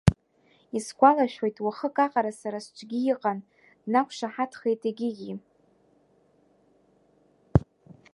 Исгәалашәоит, уахык аҟара сара сҿгьы иҟан, днақәшаҳаҭхеит егьигьы.